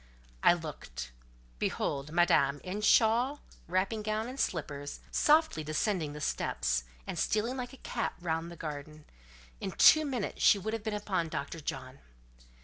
I looked. Behold Madame, in shawl, wrapping gown, and slippers, softly descending the steps, and stealing like a cat round the garden: in two minutes she would have been upon Dr. John.